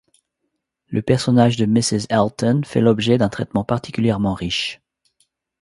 Le personnage de Mrs Elton fait l'objet d'un traitement particulièrement riche.